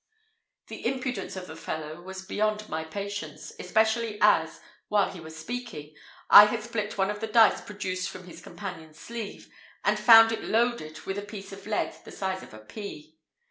The impudence of the fellow was beyond my patience, especially as, while he was speaking, I had split one of the dice produced from his companion's sleeve, and found it loaded with a piece of lead the size of a pea.